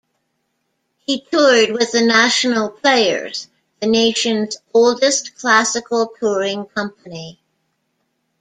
He toured with the National Players, the nation's oldest classical touring company.